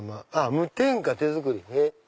「無添加手作り！」。